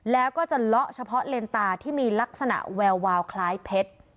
แล้วก็จะเลาะเฉพาะเลนตาที่มีลักษณะแวววาวคล้ายเพชร